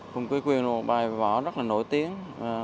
hùng cây quyền là một bài võ rất là nổi tiếng